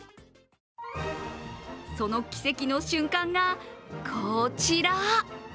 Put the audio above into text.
その奇跡の瞬間がこちら。